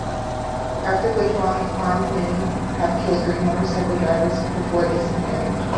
After withdrawing armed men have killed three motorcycle drivers before disappearing.